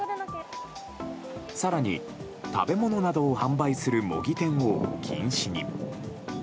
更に、食べ物などを販売する模擬店を禁止に。